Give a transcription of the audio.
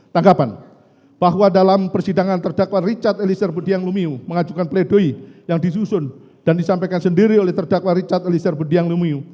tanggapan bahwa dalam persidangan terdakwa richard elisir budiang lumiu mengajukan pledoi yang disusun dan disampaikan sendiri oleh terdakwa richard elisir budiang lumiu